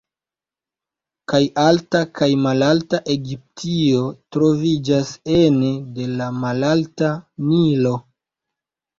Kaj Alta kaj Malalta Egiptio troviĝas ene de la Malalta Nilo.